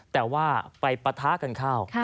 แต่ว่าไปปะทะกันเข้า